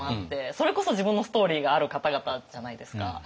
それこそ自分のストーリーがある方々じゃないですか。